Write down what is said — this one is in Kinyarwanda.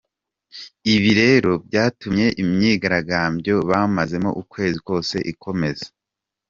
Ibi rero byatumye imyigaragambyo bamazemo ukwezi kose ikomeza.